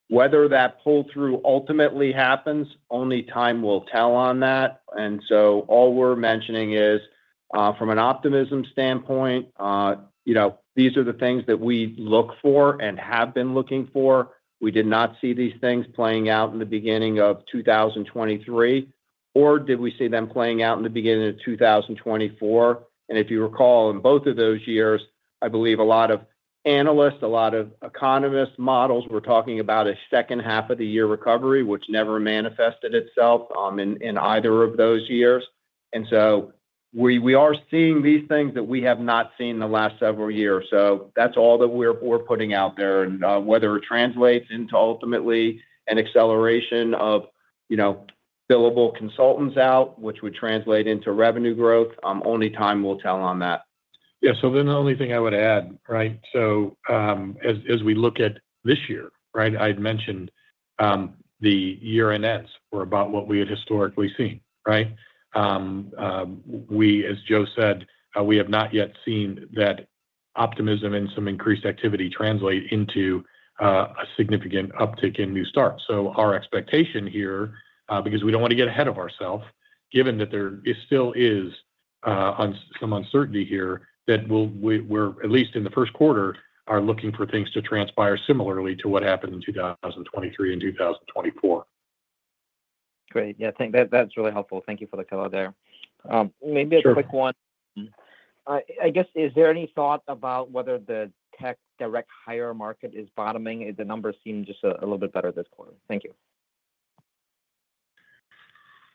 Speaker 1: Whether that pull-through ultimately happens, only time will tell on that. And so all we're mentioning is, from an optimism standpoint, these are the things that we look for and have been looking for. We did not see these things playing out in the beginning of 2023, or did we see them playing out in the beginning of 2024? And if you recall, in both of those years, I believe a lot of analysts, a lot of economists, models were talking about a second half of the year recovery, which never manifested itself in either of those years. And so we are seeing these things that we have not seen in the last several years. So that's all that we're putting out there. And whether it translates into ultimately an acceleration of billable consultants out, which would translate into revenue growth, only time will tell on that. Yeah. So then the only thing I would add, right, so as we look at this year, right, I'd mentioned the year-end trends were about what we had historically seen. Right? We, as Joe said, we have not yet seen that optimism and some increased activity translate into a significant uptick in new starts. So our expectation here, because we don't want to get ahead of ourselves, given that there still is some uncertainty here, that we're, at least in the first quarter, looking for things to transpire similarly to what happened in 2023 and 2024.
Speaker 9: Great. Yeah. Thanks. That's really helpful. Thank you for the color there. Maybe a quick one. I guess, is there any thought about whether the tech direct hire market is bottoming? The numbers seem just a little bit better this quarter. Thank you.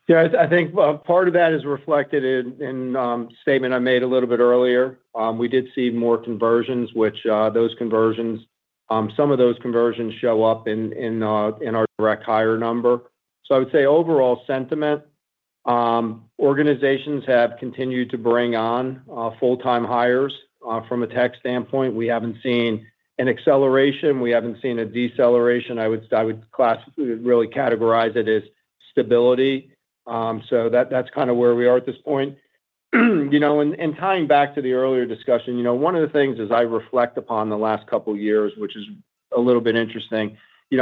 Speaker 1: Yeah. I think part of that is reflected in a statement I made a little bit earlier. We did see more conversions, which those conversions, some of those conversions show up in our direct hire number. So I would say overall sentiment, organizations have continued to bring on full-time hires from a tech standpoint. We haven't seen an acceleration. We haven't seen a deceleration. I would really categorize it as stability. So that's kind of where we are at this point. And tying back to the earlier discussion, one of the things as I reflect upon the last couple of years, which is a little bit interesting,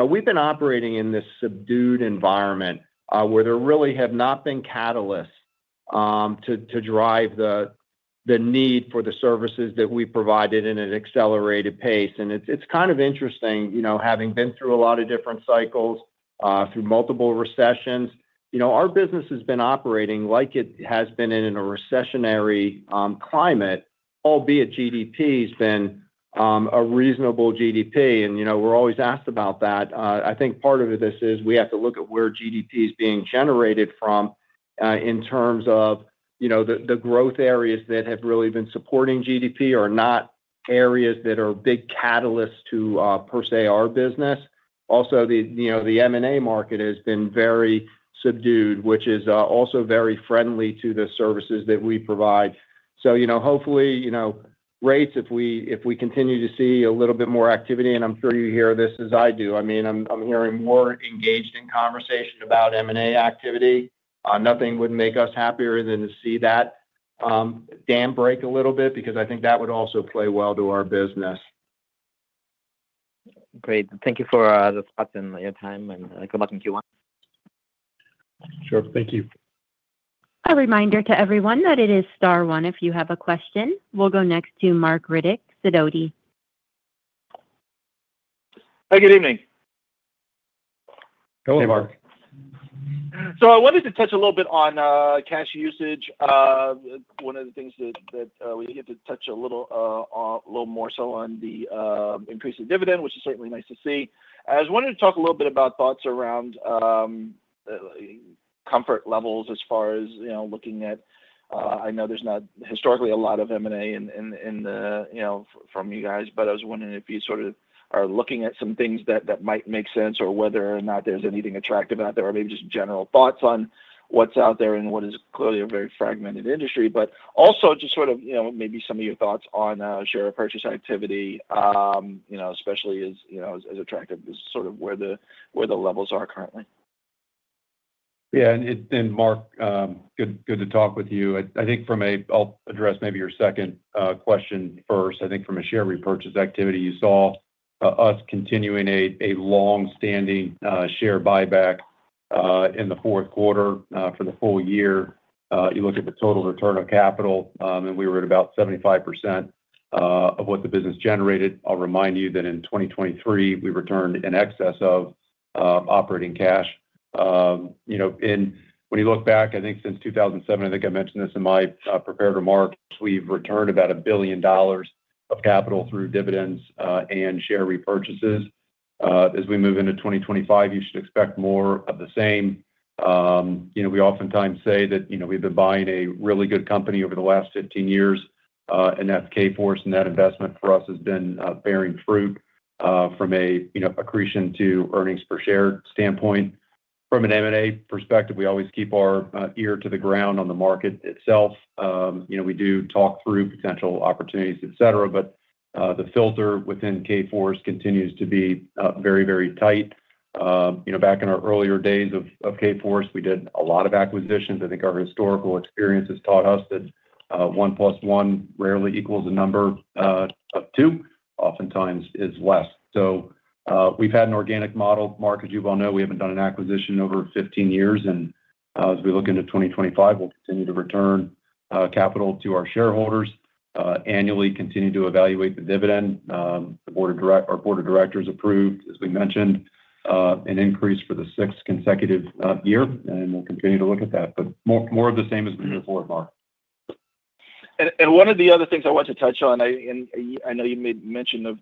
Speaker 1: we've been operating in this subdued environment where there really have not been catalysts to drive the need for the services that we provided in an accelerated pace. And it's kind of interesting, having been through a lot of different cycles, through multiple recessions, our business has been operating like it has been in a recessionary climate, albeit GDP has been a reasonable GDP. And we're always asked about that. I think part of this is we have to look at where GDP is being generated from in terms of the growth areas that have really been supporting GDP are not areas that are big catalysts to, per se, our business. Also, the M&A market has been very subdued, which is also very friendly to the services that we provide. So hopefully, rates, if we continue to see a little bit more activity, and I'm sure you hear this as I do. I mean, I'm hearing more engaged in conversation about M&A activity. Nothing would make us happier than to see that dam break a little bit because I think that would also play well to our business.
Speaker 8: Great. Thank you for the thoughts and your time. And good luck in Q1.
Speaker 2: Sure. Thank you.
Speaker 4: A reminder to everyone that it is Star One if you have a question. We'll go next to Marc Riddick, Sidoti.
Speaker 10: Hi. Good evening.
Speaker 2: Hello, Marc.
Speaker 10: I wanted to touch a little bit on cash usage. One of the things that we get to touch a little more so on the increase in dividend, which is certainly nice to see. I was wanting to talk a little bit about thoughts around comfort levels as far as looking at. I know there's not historically a lot of M&A from you guys, but I was wondering if you sort of are looking at some things that might make sense or whether or not there's anything attractive out there or maybe just general thoughts on what's out there and what is clearly a very fragmented industry. But also just sort of maybe some of your thoughts on share repurchase activity, especially as attractive as sort of where the levels are currently.
Speaker 2: Yeah. And Marc, good to talk with you. I think from a I'll address maybe your second question first. I think from a share repurchase activity, you saw us continuing a long-standing share buyback in the fourth quarter for the full year. You look at the total return of capital, and we were at about 75% of what the business generated. I'll remind you that in 2023, we returned in excess of operating cash. And when you look back, I think since 2007, I think I mentioned this in my prepared remarks, we've returned about $1 billion of capital through dividends and share repurchases. As we move into 2025, you should expect more of the same. We oftentimes say that we've been buying a really good company over the last 15 years, and that's Kforce, and that investment for us has been bearing fruit from an accretion to earnings per share standpoint. From an M&A perspective, we always keep our ear to the ground on the market itself. We do talk through potential opportunities, etc. But the filter within Kforce continues to be very, very tight. Back in our earlier days of Kforce, we did a lot of acquisitions. I think our historical experience has taught us that one plus one rarely equals a number of two. Oftentimes, it's less. So we've had an organic model. Marc, as you well know, we haven't done an acquisition in over 15 years. And as we look into 2025, we'll continue to return capital to our shareholders. Annually, continue to evaluate the dividend. Our board of directors approved, as we mentioned, an increase for the sixth consecutive year, and we'll continue to look at that. But more of the same as we move forward, Marc.
Speaker 10: One of the other things I wanted to touch on. I know you made mention of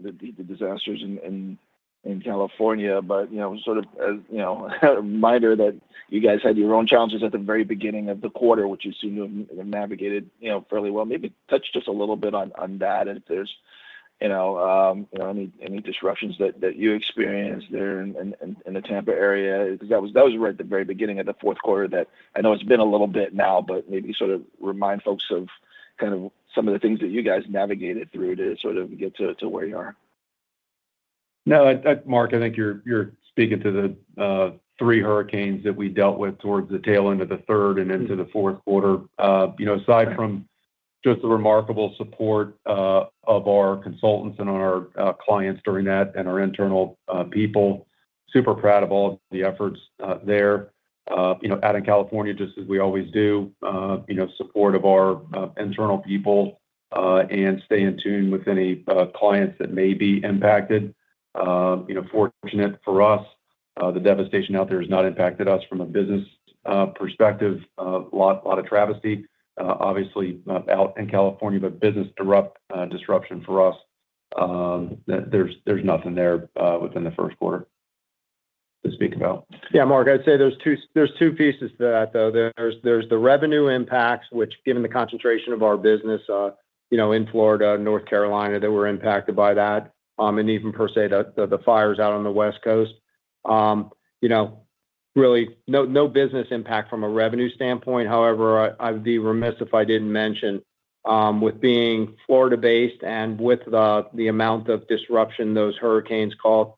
Speaker 10: the disasters in California, but sort of as a reminder that you guys had your own challenges at the very beginning of the quarter, which you seem to have navigated fairly well. Maybe touch just a little bit on that, if there's any disruptions that you experienced there in the Tampa area. Because that was right at the very beginning of the fourth quarter that I know it's been a little bit now, but maybe sort of remind folks of kind of some of the things that you guys navigated through to sort of get to where you are.
Speaker 2: No, Marc, I think you're speaking to the three hurricanes that we dealt with towards the tail end of the third and into the fourth quarter. Aside from just the remarkable support of our consultants and our clients during that and our internal people, super proud of all the efforts there. Out in California, just as we always do, support of our internal people and staying in tune with any clients that may be impacted. Fortunate for us, the devastation out there has not impacted us from a business perspective. A lot of tragedy, obviously, out in California, but no business disruption for us. There's nothing there within the first quarter to speak about. Yeah, Marc, I'd say there's two pieces to that, though. There's the revenue impacts, which, given the concentration of our business in Florida and North Carolina, that we're impacted by that, and even per se, the fires out on the West Coast. Really, no business impact from a revenue standpoint. However, I'd be remiss if I didn't mention, with being Florida-based and with the amount of disruption those hurricanes caused,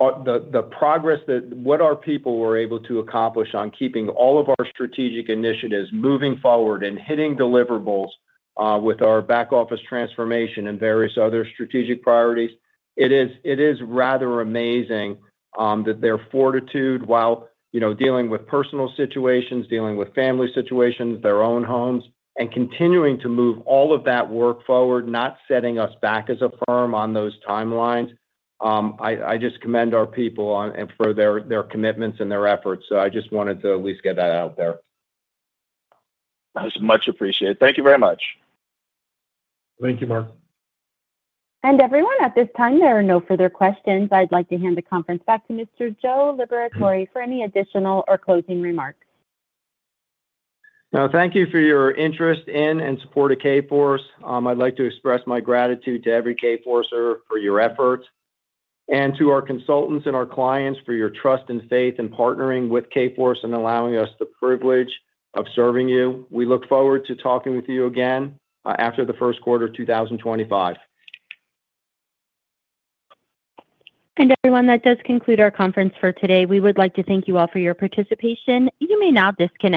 Speaker 2: the progress that what our people were able to accomplish on keeping all of our strategic initiatives moving forward and hitting deliverables with our back office transformation and various other strategic priorities. It is rather amazing that their fortitude, while dealing with personal situations, dealing with family situations, their own homes, and continuing to move all of that work forward, not setting us back as a firm on those timelines. I just commend our people for their commitments and their efforts. So I just wanted to at least get that out there.
Speaker 10: That's much appreciated. Thank you very much.
Speaker 1: Thank you, Marc.
Speaker 4: Everyone, at this time, there are no further questions. I'd like to hand the conference back to Mr. Joe Liberatore for any additional or closing remarks.
Speaker 1: No, thank you for your interest in and support of Kforce. I'd like to express my gratitude to every Kforcer for your efforts and to our consultants and our clients for your trust and faith in partnering with Kforce and allowing us the privilege of serving you. We look forward to talking with you again after the first quarter of 2025.
Speaker 4: And everyone, that does conclude our conference for today. We would like to thank you all for your participation. You may now disconnect.